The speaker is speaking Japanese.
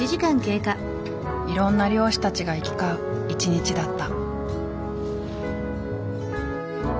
いろんな漁師たちが行き交う一日だった。